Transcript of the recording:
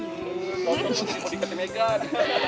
woh kok masih mau dikati megan